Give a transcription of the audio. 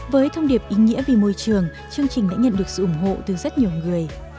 với thông điệp ý nghĩa vì môi trường chương trình đã nhận được sự ủng hộ từ rất nhiều người